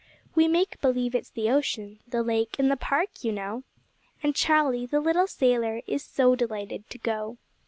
We make believe it's the ocean, the lake in the Park, you know; And Charlie, the little sailor, is so delighted to go.